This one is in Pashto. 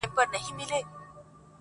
د جایفل په ځای به سر ورته پیشکش کړم